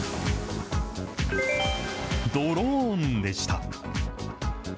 ドローンでした。